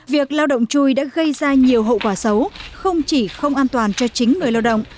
việc lao động chui đã gây ra nhiều hậu quả xấu không chỉ không an toàn cho chính người lao động